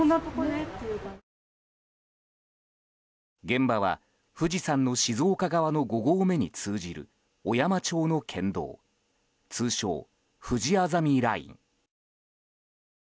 現場は富士山の静岡側の５合目に通じる小山町の県道通称、ふじあざみライン。